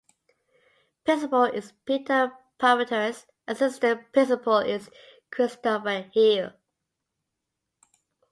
Principal is Peter Pramataris; assistant principal is Christopher Heil.